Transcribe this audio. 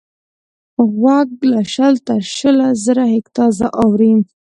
غوږ له شل تر شل زره هیرټز اوري.